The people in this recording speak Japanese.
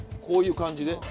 こういう感じで？